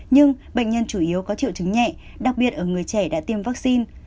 nhưng bệnh nhân chủ yếu có triệu chứng nhẹ đặc biệt ở người trẻ đã tiêm vaccine